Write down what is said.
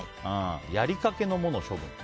やりかけのものを処分。